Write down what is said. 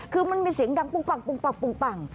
คือมันมีเสียงดังปุ้งปัง